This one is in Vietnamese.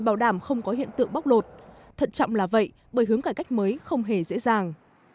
bảo đảm không có hiện tượng bóc lột thận trọng là vậy bởi hướng cải cách mới không hề dễ dàng